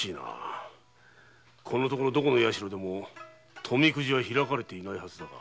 このところどこの神社でも富くじは開かれていないはずだが。